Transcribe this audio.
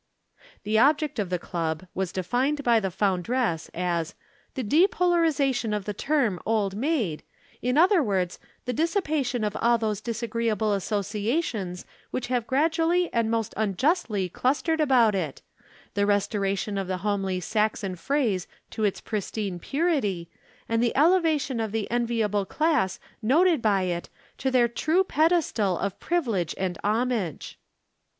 The object of the Club was defined by the foundress as "the depolarization of the term 'Old Maid'; in other words, the dissipation of all those disagreeable associations which have gradually and most unjustly clustered about it; the restoration of the homely Saxon phrase to its pristine purity, and the elevation of the enviable class denoted by it to their due pedestal of privilege and homage."